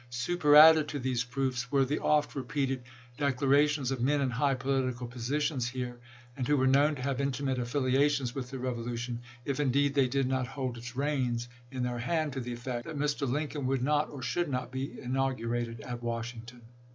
.. Superadded to these proofs were the oft repeated declara tions of men in high political positions here, and who were known to have intimate affiliations with the revolu tion, if, indeed, they did not hold its reins in their hands, to the effect that Mr. Lincoln would not or should not be inaugurated at Washington.